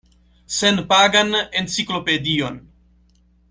Senpagan enciklopedion.